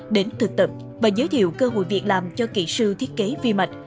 đến thực tập và giới thiệu cơ hội việc làm cho kỹ sư thiết kế vi mạch